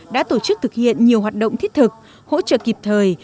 đã tổ chức thực hiện nhiều hoạt động thiết thực hỗ trợ kịp thời